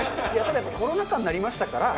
ただやっぱコロナ禍になりましたから。